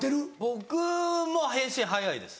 僕も返信早いです